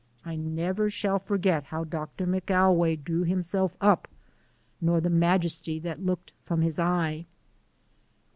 I never shall forget how Doctor McAlway drew himself up nor the majesty that looked from his eye.